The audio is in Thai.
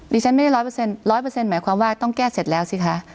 ฉันไม่ได้๑๐๐หมายความว่าต้องแก้เสร็จแล้วสิคะ